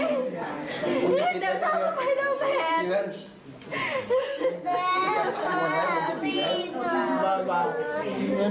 แมนต้องด้วยธรรมดิก่อน